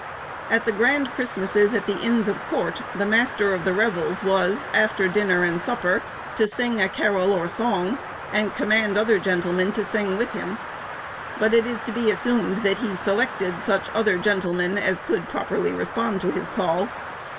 At the grand Christmasses, at the Inns of Court, the master of the revels was, after dinner and supper, to sing a carol or song, and command other gentlemen to sing with him; but it is to be assumed that he selected such "other gentlemen" as could respond properly to his call.